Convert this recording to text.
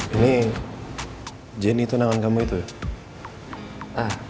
ini jenny tunangan kamu itu ya